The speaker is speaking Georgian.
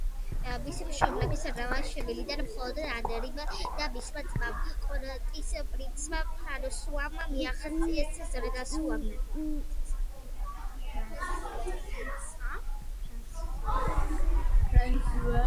მისი მშობლების რვა შვილიდან მხოლოდ ანრიმ და მისმა ძმამ, კონტის პრინცმა ფრანსუამ მიაღწიეს ზრდასრულობამდე.